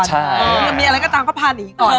ใช่อย่างมีอะไรก็ตามก็พาหนีก่อน